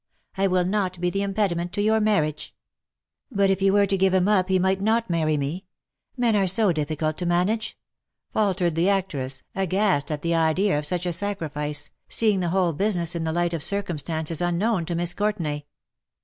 I will not be the impedi ment to your marriage." ^^But if you were to give him up he might not marry me : men are so difficult to manage/^ faltered the actress, aghast at the idea of such a sacrifice, seeing the whole business in the light of circumstances unknown to Miss Courtenay.